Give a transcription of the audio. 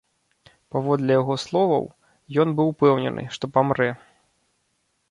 Паводле яго словаў, ён быў упэўнены, што памрэ.